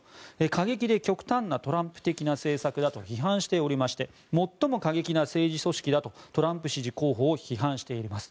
過激で極端なトランプ的な政策だと批判しておりまして最も過激な政治組織だと批判しています。